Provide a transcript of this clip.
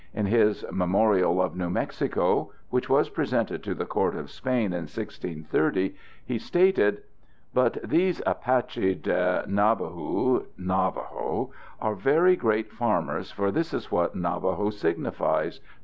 In his "Memorial of New Mexico," which was presented to the court of Spain in 1630, he stated: _But these Apache de Nabahu [Navajo] are very great farmers for this is what Navajo signifies